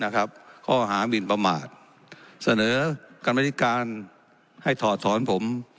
ข้อหามินประมาทเสนอกรรมนิการให้ถอดถอนผม